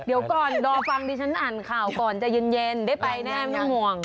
เดี๋ยวก่อนรอฟังดิฉันอ่านข่าวก่อนจะเย็นได้ไปแน่ไม่ห่วง